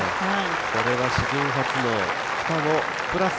これは史上初の双子プラス